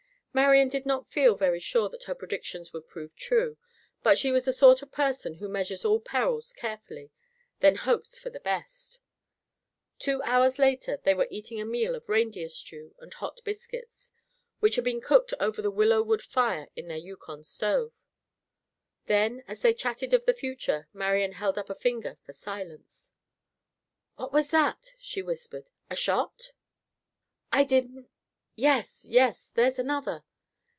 Marian did not feel very sure that her predictions would prove true, but she was the sort of person who measures all perils carefully, then hopes for the best. Two hours later they were eating a meal of reindeer stew and hot biscuits, which had been cooked over a willow wood fire in their Yukon stove. Then as they chatted of the future, Marian held up a finger for silence. "What was that?" she whispered. "A shot?" "I didn't—" "Yes, yes. There's another!"